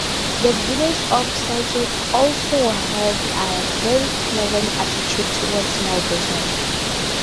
The Village of Sauget also has a very tolerant attitude toward small business.